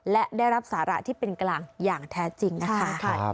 และได้รับสาระที่เป็นกลางอย่างแท้จริงนะคะ